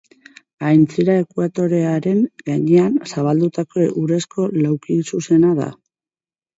Aintzira ekuatorearen gainean zabaldutako urezko laukizuzena da.